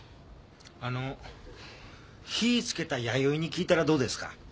あの火付けた弥生に聞いたらどうですか？